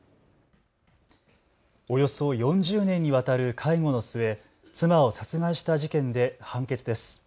およそ４０年にわたる介護の末、妻を殺害した事件で判決です。